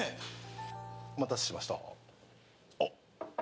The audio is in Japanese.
お待たせしました。